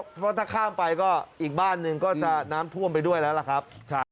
เพราะถ้าข้ามไปก็อีกบ้านหนึ่งก็จะน้ำท่วมไปด้วยแล้วล่ะครับ